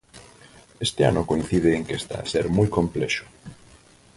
Este ano coincide en que está a ser moi complexo.